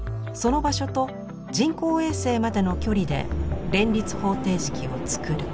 その場所と人工衛星までのきょりで連立方程式を作る。